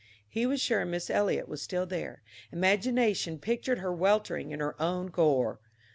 He was sure Miss Eliot was still there; imagination pictured her weltering in her own gore.